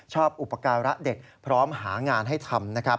ชอบอุปกรณ์รักเด็กพร้อมหางานให้ทำ